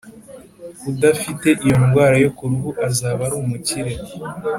udafite iyo ndwara yo ku ruhu azaba ari umukire